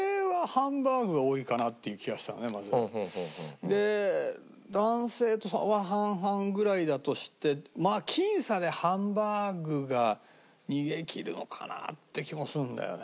なんかで男性は半々ぐらいだとして僅差でハンバーグが逃げきるのかなって気もするんだよね。